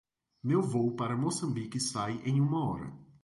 Meu voo para Moçambique sai em uma hora.